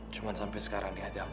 cuman sampai sekarang ini hati aku